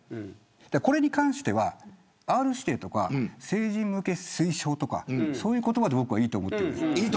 これに関してはＲ指定とか成人向け推奨とかそういう言葉で僕はいいと思うんです。